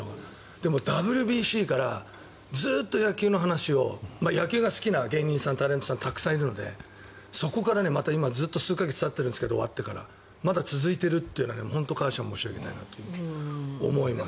でも、ＷＢＣからずっと野球の話を野球が好きな芸人さんタレントさんたくさんいるのでそこからまたずっと数か月たっているんですが終わってからまだ続いていることに本当に感謝申し上げたいなと思います。